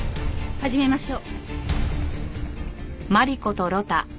始めましょう。